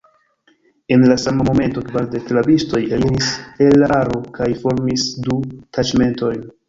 En la sama momento kvardek rabistoj eliris el la aro kaj formis du taĉmentojn.